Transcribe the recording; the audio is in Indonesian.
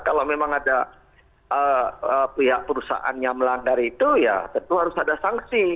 kalau memang ada pihak perusahaan yang melanggar itu ya tentu harus ada sanksi